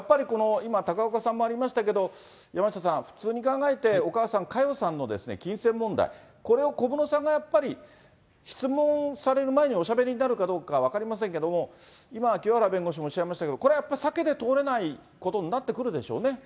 今、高岡さんもありましたけど、山下さん、普通に考えて、お母さん、佳代さんの金銭問題、これを小室さんがやっぱり、質問される前におしゃべりになるかどうか分かりませんけども、今、清原弁護士もおっしゃいましたけれども、これはやっぱり、避けて通れないことになってくるでしょうね。